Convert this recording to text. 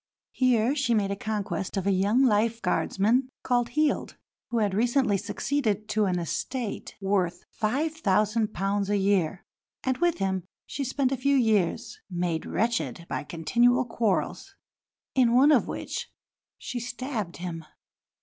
Here she made a conquest of a young Life Guardsman, called Heald, who had recently succeeded to an estate worth £5000 a year; and with him she spent a few years, made wretched by continual quarrels, in one of which she stabbed him.